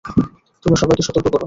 তোমরা সবাইকে সতর্ক করো।